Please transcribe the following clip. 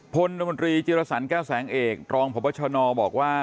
พลมดจิรษรแก้วแสงเอกรองพชนบอกว่า